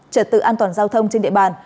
trật tự an toàn giao thông trên địa bàn